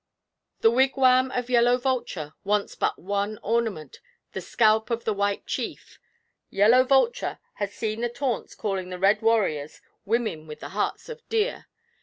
'The wigwam of Yellow Vulture wants but one ornament the scalp of the white chief. Yellow Vulture has seen the taunts calling the red warriors "women with the hearts of deer."